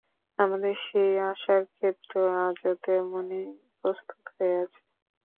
আমাদের সেই আশার ক্ষেত্র আজও তেমনি প্রস্তুত হয়ে আছে।